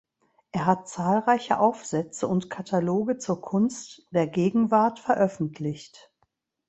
Er hat zahlreiche Aufsätze und Kataloge zur Kunst der Gegenwart veröffentlicht.